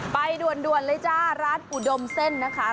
ไปด่วนเลยจ้าร้านอุดมเส้นนะคะ